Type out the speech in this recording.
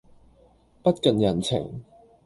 不近人情